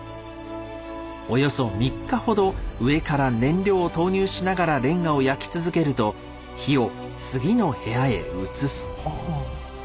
およそ３日ほど上から燃料を投入しながらレンガを焼き続けると火を次の部屋へ移す。